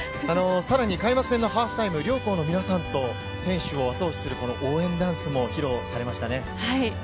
開幕戦のハーフタイムでは両校の皆さんと選手を後押しする応援ダンスも披露されましたね。